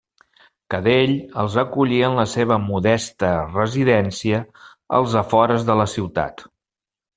Cadell els acollí en la seva modesta residència als afores de la ciutat.